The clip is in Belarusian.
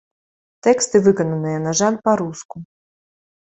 Тэксты выкананыя, на жаль, па-руску.